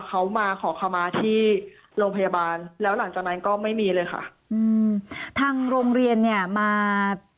เขามาขอคำมาที่โรงพยาบาลแล้วหลังจากนั้นก็ไม่มีเลยค่ะอืมทางโรงเรียนเนี่ยมา